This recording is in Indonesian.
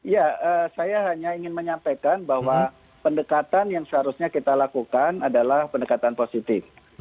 ya saya hanya ingin menyampaikan bahwa pendekatan yang seharusnya kita lakukan adalah pendekatan positif